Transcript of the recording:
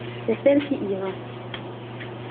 C’est elle qui ira.